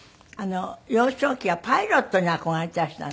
幼少期はパイロットに憧れていらしたんですって？